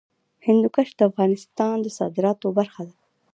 هندوکش د افغانستان د صادراتو برخه ده.